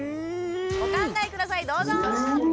お考え下さいどうぞ！